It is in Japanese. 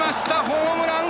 ホームラン。